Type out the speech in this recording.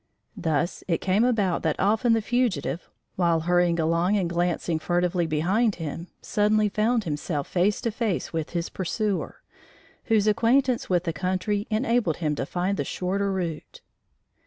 Thus it came about that often the fugitive, while hurrying along and glancing furtively behind him, suddenly found himself face to face with his pursuer, whose acquaintance with the country enabled him to find the shorter route.